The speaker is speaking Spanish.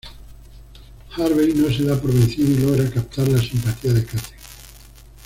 Harvey no se da por vencido y logra captar la simpatía de Kate.